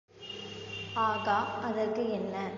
ஆகா, அதற்கு என்ன?